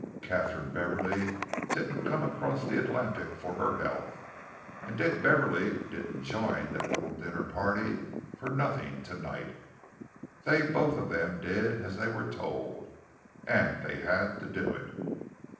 Katharine Beverley didn't come across the Atlantic for her health, and Dick Beverley didn't join that little dinner party for nothing to night. They both of them did as they were told, and they had to do it."